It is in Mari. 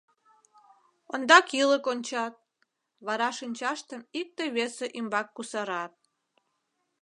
Ондак ӱлык ончат, вара шинчаштым икте-весе ӱмбак кусарат.